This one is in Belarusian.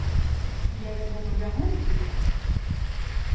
Я, вядома, бягом туды.